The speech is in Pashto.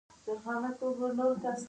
تاریخ د خپل ولس د مساوات لامل دی.